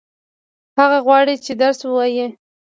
هغه غواړي چې درس ووايي.